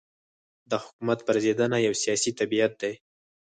د حکومت پرځېدنه یو سیاسي طبیعت دی.